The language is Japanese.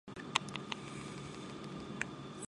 お父さんの蟹が出て来ました。